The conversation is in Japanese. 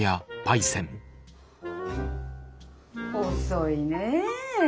遅いねえ。